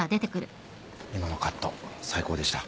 今のカット最高でした。